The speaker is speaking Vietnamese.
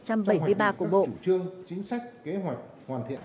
chủ trương chính sách kế hoạch hoàn thiện